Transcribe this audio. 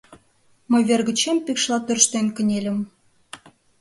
Мый вер гычем пикшла тӧрштен кынельым.